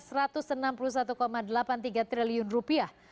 dengan kursi kursi kursi yang berharga sekitar delapan tiga triliun rupiah